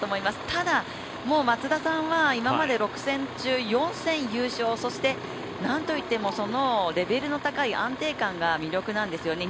ただ、松田さんはもう今まで６戦中、４戦優勝なんといってもレベルの高い安定感が魅力なんですよね